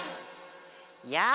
やあ！